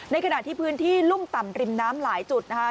ขณะที่พื้นที่รุ่มต่ำริมน้ำหลายจุดนะคะ